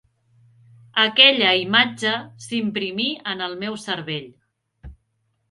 Aquella imatge s'imprimí en el meu cervell.